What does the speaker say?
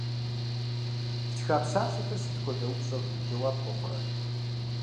Фтха псалъэхэр сыт хуэдэ упщӏэм жэуап хуэхъурэ?